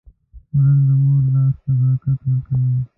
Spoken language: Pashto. خوړل د مور لاس ته برکت ورکوي